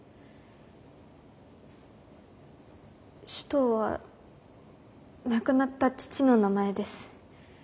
首藤は亡くなった父の名前です。